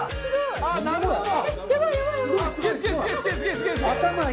ああーなるほど！